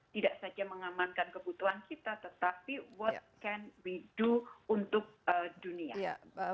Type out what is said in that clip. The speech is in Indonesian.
tidak saja mengamankan kebutuhan kita tetapi what can we do untuk dunia